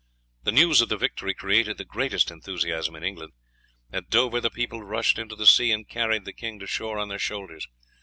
The news of the victory created the greatest enthusiasm in England. At Dover the people rushed into the sea and carried the king to shore on their shoulders.